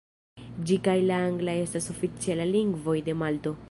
Ĝi kaj la angla estas oficialaj lingvoj de Malto.